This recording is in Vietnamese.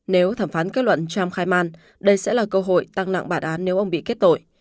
nếu thẩm phán kết luận trump khai man đây sẽ là cơ hội tăng nặng bản án nếu ông bị kết tội